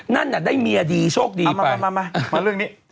นั่นน่ะได้เมียดีโชคดีไป